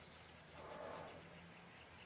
Es habitual comerla cocida como si fuese patata.